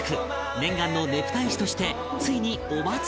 念願のねぷた絵師としてついにお祭りデビュー！